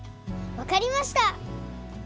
わかりました！